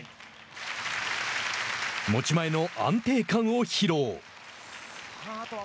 持ち前の安定感を披露。